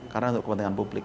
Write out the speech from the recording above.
karena untuk kepentingan publik